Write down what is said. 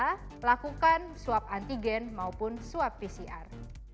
dalami gejala lakukan swab antigen maupun swab pcr